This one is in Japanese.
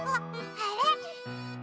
あれ？